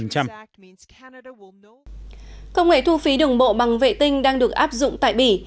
công nghệ thu phí đường bộ bằng vệ tinh đang được áp dụng tại bỉ